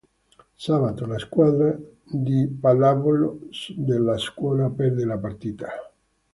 Sabato: la squadra di pallavolo della scuola perde la partita.